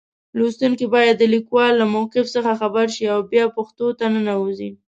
لوستونکی باید د لیکوال له موقف څخه خبر شي او بیا پېښو ته ننوځي.